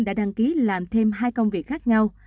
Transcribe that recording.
đã đăng ký làm thêm hai công việc khác nhau